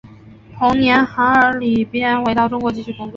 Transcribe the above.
同年韩尔礼便回到中国继续工作。